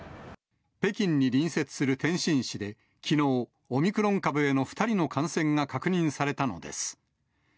北京に隣接する天津市で、きのう、オミクロン株への２人の感染が確認されたのです。